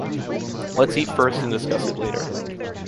Let’s eat first and discuss it later.